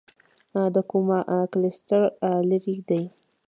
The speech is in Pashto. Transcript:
د کوما کلسټر لیرې دی.